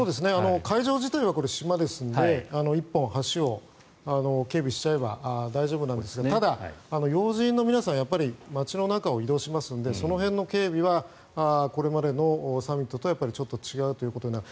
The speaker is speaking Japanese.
会場自体は島ですので１本、橋を警備しちゃえば大丈夫なんですがただ、要人の皆さん街の中を移動しますのでその辺の警備はこれまでのサミットとちょっと違うということになる。